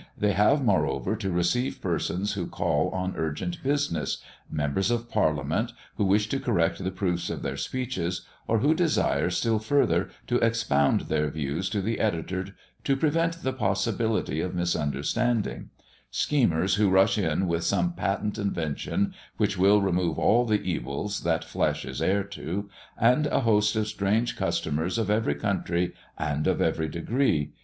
They have moreover to receive persons who call on urgent business, members of Parliament, who wish to correct the proofs of their speeches, or who desire still further to expound their views to the editor to prevent the possibility of misunderstanding; schemers who rush in with some patent invention which will remove all the evils that flesh is heir to, and a host of strange customers of every country and of every degree.